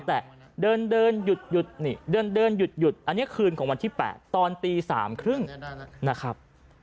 แต่เดินหยุดอันนี้คืนของวันที่๘ตอนตี๓๓๐นะครับ